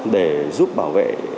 để giúp bảo vệ